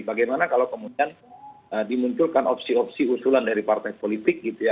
bagaimana kalau kemudian dimunculkan opsi opsi usulan dari partai politik gitu ya